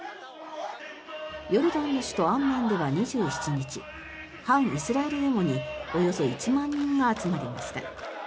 ヨルダンの首都アンマンでは２７日反イスラエルデモにおよそ１万人が集まりました。